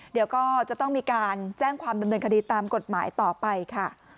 เดี๋ยวก็จะต้องมีการแจ้งความดำเนินคดีตามกฎหมายต่อไปค่ะ